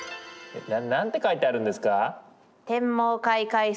何て書いてあるんですか？